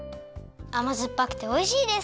あまずっぱくておいしいです。